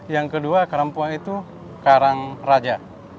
yang kedua perempuan itu karang raja